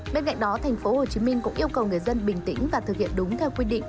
bên cạnh đó tp hcm cũng yêu cầu người dân bình tĩnh và thực hiện đúng theo quy định